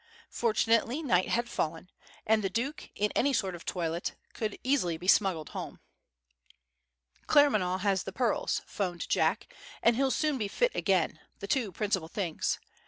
Fortunately night had fallen and the Duke, in any sort of toilet, could easily be smuggled home. "Claremanagh has the pearls," 'phoned Jack. "And he'll soon be fit again the two principal things.